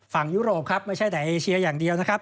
ยุโรปครับไม่ใช่แต่เอเชียอย่างเดียวนะครับ